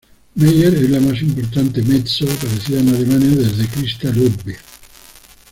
Meier es la más importante mezzo aparecida en Alemania desde Christa Ludwig.